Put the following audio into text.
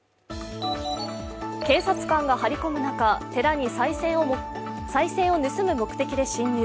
警察官が張り込む中、寺にさい銭を盗む目的で侵入。